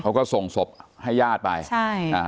เขาก็ส่งศพให้ญาติไปใช่อ่า